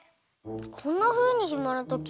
こんなふうにひまなとき